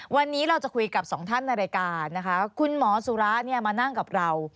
วันนี้เราจะคุยกับสองท่านในรายการนะคะคุณหมอสุระเนี่ยมานั่งกับเรา